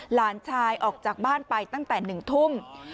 หลานชายออกจากบ้านไปตั้งแต่๑ทุ่ม